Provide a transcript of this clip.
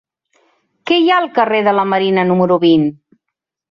Què hi ha al carrer de la Marina número vint?